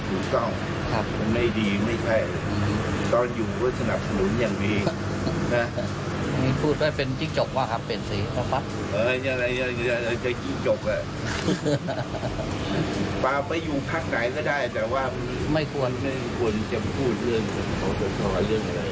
แต่ว่าไม่ควรจะพูดเรื่องของส่วนของเรื่องอะไร